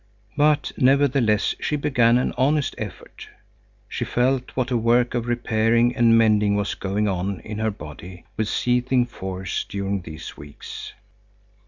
But nevertheless she began an honest effort. She felt what a work of repairing and mending was going on in her body with seething force during these weeks.